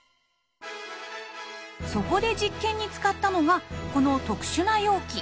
そこで実験に使ったのがこの特殊な容器。